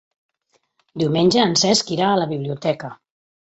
Diumenge en Cesc irà a la biblioteca.